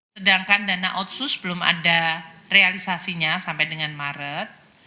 sedangkan dana otsus belum ada realisasinya sampai dengan maret